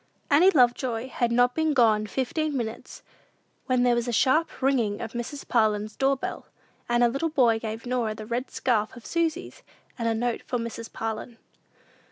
Annie Lovejoy had not been gone fifteen minutes, when there was a sharp ringing of Mrs. Parlin's doorbell, and a little boy gave Norah the red scarf of Susy's, and a note for Mrs. Parlin.